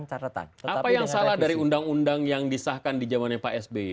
apa yang salah dari undang undang yang disahkan di jaman yang pak sby